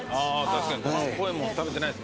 確かにご飯っぽいもの食べてないですね。